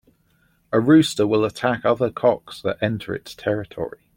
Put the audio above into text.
A rooster will attack other cocks that enter its territory.